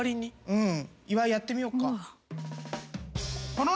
うん。